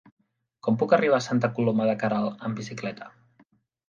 Com puc arribar a Santa Coloma de Queralt amb bicicleta?